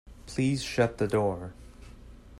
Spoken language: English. Please shut the door.